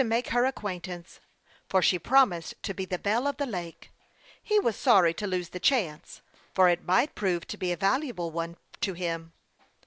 He wanted to see her ; want ed to make her acquaintance, for she promised to be the belle of the lake. He was sorry to lose the chance, for it might prove to be a valuable one to him.